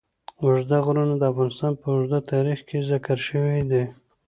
اوږده غرونه د افغانستان په اوږده تاریخ کې ذکر شوی دی.